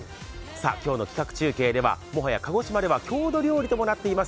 今日の企画中継では、もはや鹿児島では郷土料理となっています